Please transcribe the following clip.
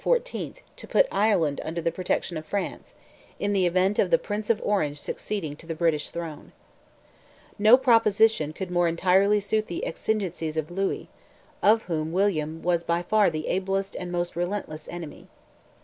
to put Ireland under the protection of France, in the event of the Prince of Orange succeeding to the British throne. No proposition could more entirely suit the exigencies of Louis, of whom William was by far the ablest and most relentless enemy.